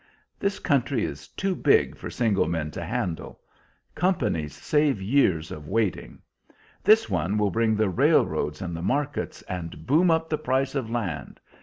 This country is too big for single men to handle; companies save years of waiting. This one will bring the railroads and the markets, and boom up the price of land.